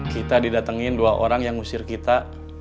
kita didatengin dua orang yang ngusir kita